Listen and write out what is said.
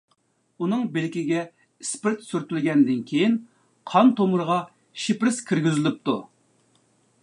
ئۇنىڭ بىلىكىگە ئىسپىرت سۈرتۈلگەندىن كېيىن، قان تومۇرىغا شپىرىس كىرگۈزۈلۈپتۇ.